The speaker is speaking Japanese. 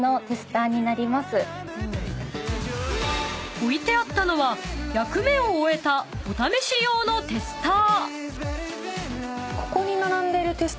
［置いてあったのは役目を終えたお試し用のテスター］